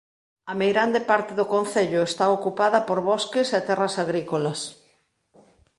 A meirande parte do concello está ocupada por bosques e terras agrícolas.